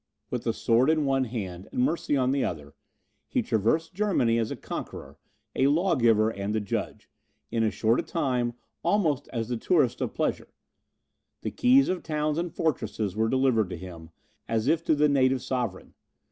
With the sword in one hand, and mercy in the other, he traversed Germany as a conqueror, a lawgiver, and a judge, in as short a time almost as the tourist of pleasure. The keys of towns and fortresses were delivered to him, as if to the native sovereign.